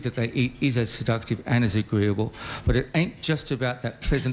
ที่มีการฆ่าคนของเข้าไปถึงอาหารมากกว่า๗๑๑